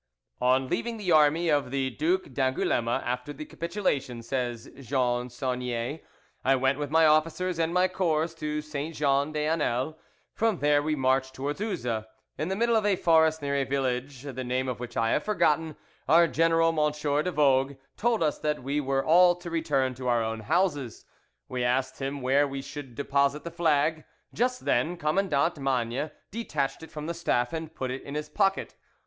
"On leaving the army of the Duc d'Angouleme after the capitulation," says Jean Saunier, "I went with my officers and my corps to Saint Jean des Anels. From there we marched towards Uzes. In the middle of a forest, near a village, the name of which I have forgotten, our General M. de Vogue told us that we were all to return to our own homes. We asked him where we should deposit the flag. Just then Commandant Magne detached it from the staff and put it in his pocket.